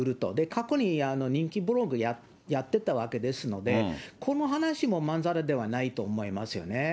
過去に人気ブログをやってたわけですので、この話もまんざらではないと思いますよね。